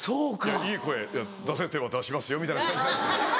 「いい声出せって言えば出しますよ」みたいな感じなんで。